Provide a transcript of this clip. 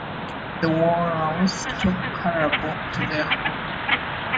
The Worralls took Caraboo to their home.